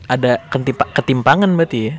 ada ketimpangan berarti ya